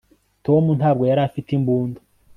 tom ntabwo yari afite imbunda